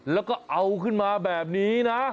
แล้วก็เอาขึ้นมาแบบนี้นะ